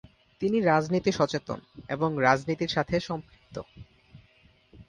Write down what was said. তিনি রাজনীতি সচেতন এবং রাজনীতির সাথে সম্পৃক্ত।